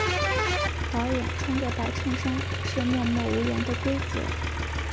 导演穿着白衬衫是默默无言的规则。